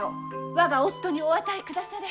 我が夫にお与えくだされ！